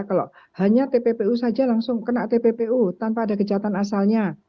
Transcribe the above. kalau hanya tppu saja langsung kena tppu tanpa ada kejahatan asalnya